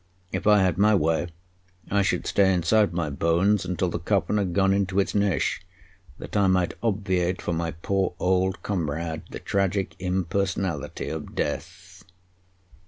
If I had my way, I should stay inside my bones until the coffin had gone into its niche, that I might obviate for my poor old comrade the tragic impersonality of death.